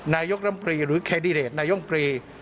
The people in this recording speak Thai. นายกลำบรีหรือแคดีเรทนายกลำบรี